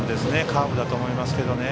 カーブだと思いますけど。